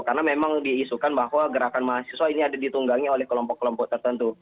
karena memang diisukan bahwa gerakan mahasiswa ini ada ditunggangi oleh kelompok kelompok tertentu